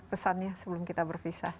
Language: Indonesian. pesannya sebelum kita berpisah